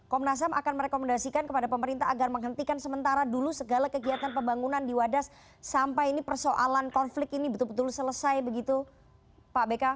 komnas ham akan merekomendasikan kepada pemerintah agar menghentikan sementara dulu segala kegiatan pembangunan di wadas sampai ini persoalan konflik ini betul betul selesai begitu pak beka